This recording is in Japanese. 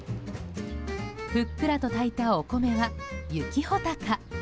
ふっくらと炊いたお米は雪ほたか。